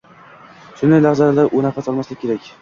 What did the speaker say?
Shunday lahzalarda u nafas olmaslik kerak.